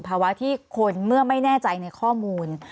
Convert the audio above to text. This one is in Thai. ภาวะที่คนเมื่อไม่แน่ใจในข้อมูล